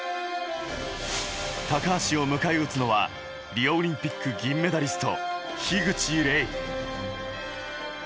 高橋を迎え撃つのはリオオリンピック銀メダリスト・樋口黎。